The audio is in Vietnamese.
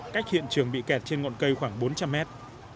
cách hiện trường bị kẹt trên ngọn cây khoảng bốn trăm linh mét